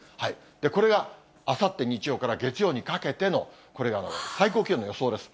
これがあさって日曜から月曜にかけてのこれが最高気温の予想です。